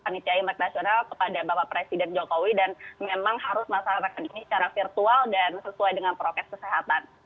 panitia imlek nasional kepada bapak presiden jokowi dan memang harus melaksanakan ini secara virtual dan sesuai dengan prokes kesehatan